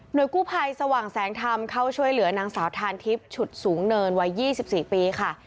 โดยกู้ภัยสว่างแสงธรรมเข้าช่วยเหลือนางสาวทานทิพย์ฉุดสูงเนินวัย๒๔ปีค่ะ